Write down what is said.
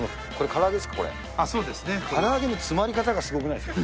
から揚げの詰まり方がすごくないですか。